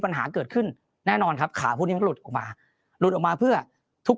ปัญหาเกิดขึ้นแน่นอนครับขาพวกนี้มันหลุดออกมาหลุดออกมาเพื่อทุก